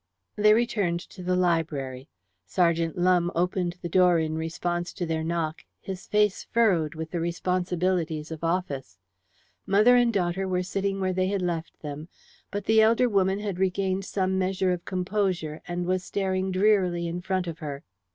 They returned to the library. Sergeant Lumbe opened the door in response to their knock, his face furrowed with the responsibilities of office. Mother and daughter were sitting where they had left them, but the elder woman had regained some measure of composure, and was staring drearily in front of her.